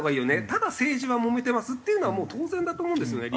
ただ政治はもめてますっていうのはもう当然だと思うんですよね